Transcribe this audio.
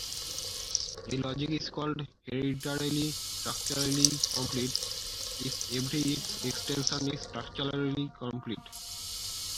A logic is called hereditarily structurally complete, if every its extension is structurally complete.